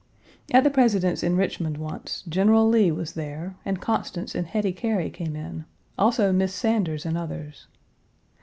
At the President's in Richmond once, General Lee was there, and Constance and Hetty Cary came in; also Miss Sanders and others.